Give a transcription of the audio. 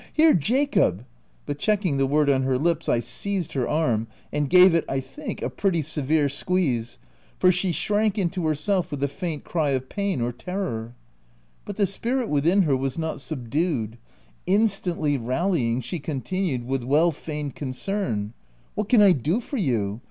Here, Jacob —" But checking the word on her lips, I seized her arm and gave OF WILDFELL HALL. 27^ it, I think, a pretty severe squeeze, for she shrank into herself with a faint cry of pain or terror ; but the spirit within her was not sub dued : instantly rallying, she continued, with well feigned concern —(< What can I do for you